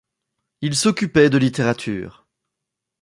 Il s'occupait de littérature.